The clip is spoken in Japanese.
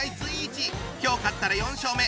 今日勝ったら４勝目。